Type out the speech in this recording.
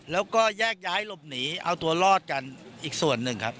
แล้วก็แยกย้ายหลบหนีเอาตัวรอดกันอีกส่วนหนึ่งครับ